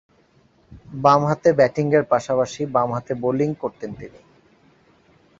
বামহাতে ব্যাটিংয়ের পাশাপাশি বামহাতে বোলিং করতেন তিনি।